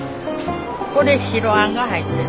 これ白あんが入ってる。